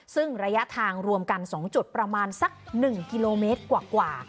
ซึ่งระยะทางรวมกัน๒จุดประมาณสัก๑กิโลเมตรกว่า